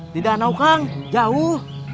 di danau kang jauh